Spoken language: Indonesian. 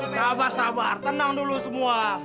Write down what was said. sabar sabar tenang dulu semua